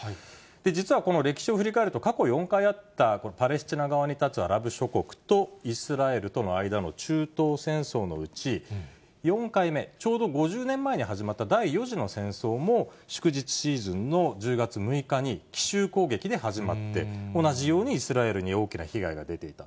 実はこの歴史を振り返ると、過去４回あったパレスチナ側に立つアラブ諸国とイスラエルとの間の中東戦争のうち、４回目、ちょうど５０年前に始まった第４次の戦争も、祝日シーズンの１０月６日に奇襲攻撃で始まって、同じようにイスラエルに大きな被害が出ていた。